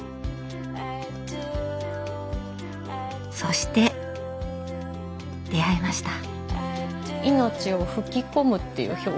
そして出会えました。